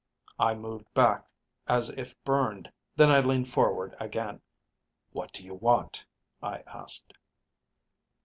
"I moved back as if burned; then I leaned forward again. 'What do you want?' I asked.